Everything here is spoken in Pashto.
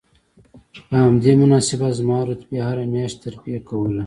په همدې مناسبت زما رتبې هره میاشت ترفیع کوله